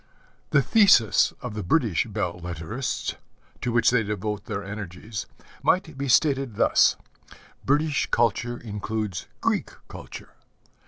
The thesis of the British belle lettrists, to which they devote their energies, might be stated thus: British culture includes Greek culture.